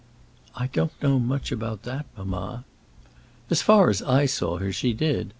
"I don't know much about that, mamma." "As far as I saw her, she did.